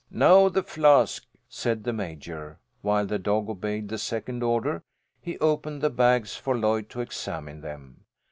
"Now the flask," said the Major. While the dog obeyed the second order, he opened the bags for Lloyd to examine them.